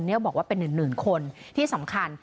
เนี่ยบอกว่าเป็นอื่นคนที่สำคัญ